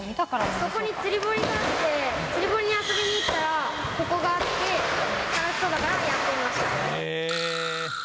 そこに釣り堀があって、釣り堀に遊びに行ったらここがあって、楽しそうだからやってみました。